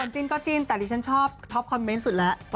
จิ้นก็จิ้นแต่ดิฉันชอบท็อปคอมเมนต์สุดแล้ว